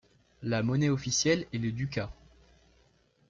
La monnaie officielle est le ducat.